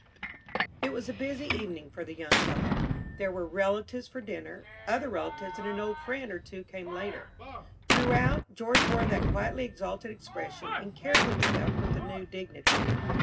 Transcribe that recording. It was a busy evening for the young couple. There were relatives for dinner. Other relatives and an old friend or two came later. Throughout, George wore that quietly exalted expression, and carried himself with the new dignity.